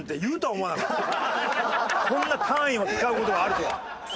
こんな単位を使う事があるとは。